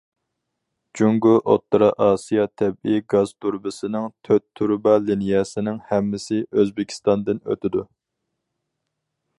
جۇڭگو- ئوتتۇرا ئاسىيا تەبىئىي گاز تۇرۇبىسىنىڭ تۆت تۇرۇبا لىنىيەسىنىڭ ھەممىسى ئۆزبېكىستاندىن ئۆتىدۇ.